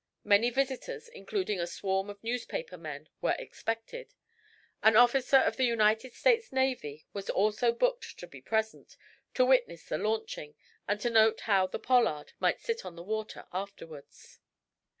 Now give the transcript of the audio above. Many visitors, including a swarm of newspaper men, were expected. An officer of the United States Navy was also booked to be present, to witness the launching, and to note how the "Pollard" might sit on the water afterwards.